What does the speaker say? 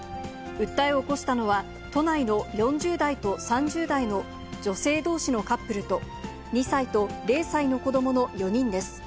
訴えを起こしたのは、都内の４０代と３０代の女性どうしのカップルと、２歳と０歳の子どもの４人です。